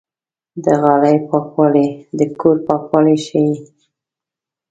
د غالۍ پاکوالی د کور پاکوالی ښيي.